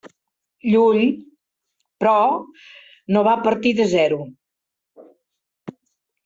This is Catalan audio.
Llull, però, no va partir de zero.